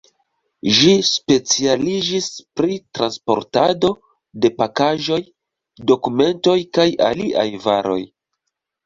Ĝi specialiĝis pri transportado de pakaĵoj, dokumentoj kaj aliaj varoj.